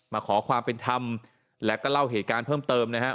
มาขอความเป็นธรรมแล้วก็เล่าเหตุการณ์เพิ่มเติมนะครับ